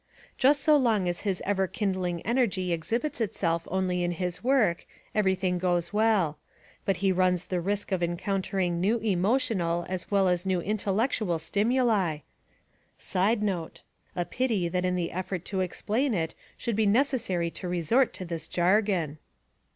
Just so long as his ever kindling energy exhibits itself only in his work, everything goes well; but he runs the risk of encountering new emotional as well as new intellectual stimuli [a pity that in the effort to explain it should be necessary to resort to this jargon!